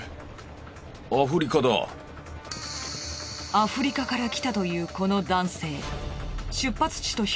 アフリカから来たというこの男性。